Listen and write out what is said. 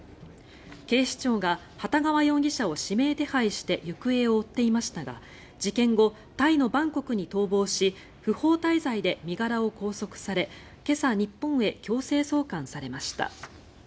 警視庁が幟川容疑者を指名手配して行方を追っていましたが事件後タイのバンコクに逃亡し不法滞在で身柄を拘束され、今朝日本へ強制送還されました。